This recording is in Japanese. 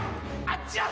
あっちゃ！